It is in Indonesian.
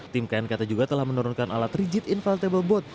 tim knkt juga telah menurunkan alat rigid invaltable boat